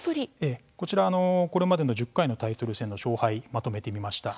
こちら、これまでの１０回のタイトル戦の勝敗まとめてみました。